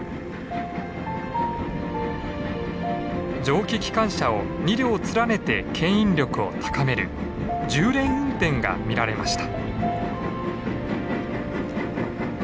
蒸気機関車を２両連ねてけん引力を高める重連運転が見られました。